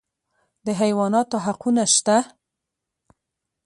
د حیواناتو حقونه شته